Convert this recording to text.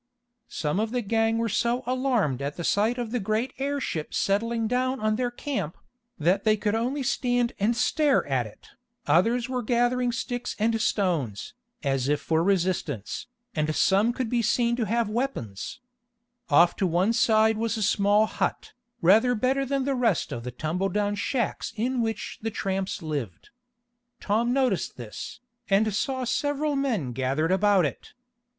Some of the gang were so alarmed at the sight of the great airship settling down on their camp, that they could only stand and stare at it. Others were gathering sticks and stones, as if for resistance, and some could be seen to have weapons. Off to one side was a small hut, rather better than the rest of the tumbledown shacks in which the tramps lived. Tom noticed this, and saw several men gathered about it.